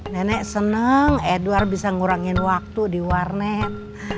nenek senang edward bisa ngurangin waktu di warnet